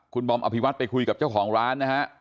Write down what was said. คุณบอมอภิวัตไปคุยกับเจ้าของร้านนะฮะ